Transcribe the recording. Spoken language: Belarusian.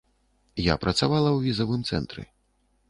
Я працавала ў візавым цэнтры.